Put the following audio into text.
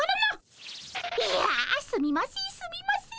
いやすみませんすみません。